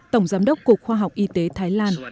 tổng giám đốc cục khoa học y tế thái lan